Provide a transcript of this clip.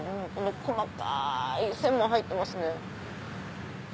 細かい線も入ってますね。